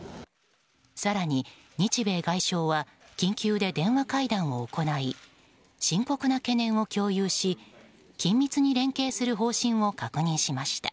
更に、日米外相は緊急で電話会談を行い深刻な懸念を共有し緊密に連携する方針を確認しました。